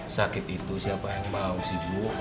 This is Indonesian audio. sakit itu siapa yang mau video